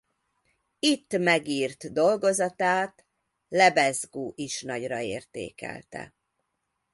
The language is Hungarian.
Itt megírt dolgozatát Lebesgue is nagyra értékelte.